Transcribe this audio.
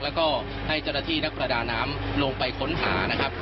และให้เจ้าหน้าที่และพรรดาน้ำลงไปค้นหา